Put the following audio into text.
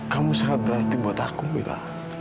kamu sangat berarti buat aku gitu